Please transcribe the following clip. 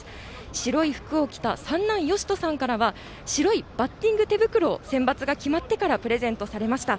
白い服を着た三男、よしとさんからは白いバッティング手袋をセンバツが決まってからプレゼントされました。